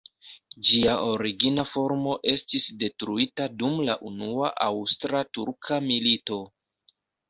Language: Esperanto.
Ĝia origina formo estis detruita dum la Unua Aŭstra-Turka milito.